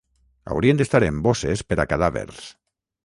Haurien d'estar en bosses per a cadàvers.